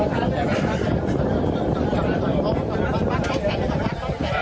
สวัสดีครับสวัสดีครับ